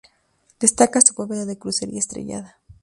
Destaca su bóveda de crucería estrellada.